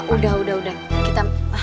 udah udah udah kita